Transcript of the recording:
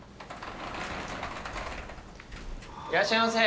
いらっしゃいませ。